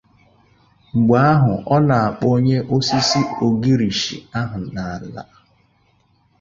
mgbe ahụ ọ na-akpọnye osisi ogirisi ahụ n'ala